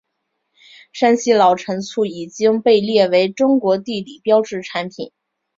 山西老陈醋已经被列为中国地理标志产品。